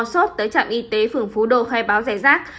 xót tới trạm y tế phường phố đô khai báo rẻ rác